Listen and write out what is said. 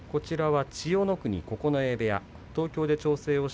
千代の国、九重部屋です。